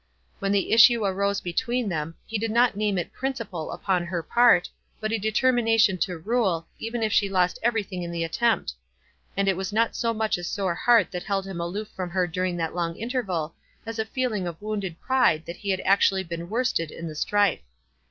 When the issue arose between them, he did not name it "principle" upon her part, but a determination to rule, even if she lost everything in the attempt ; and it was not so much a sore heart that held him aloof from her during that long interval, as a feeling of wound ed pride that he had actually been worsted in the strife.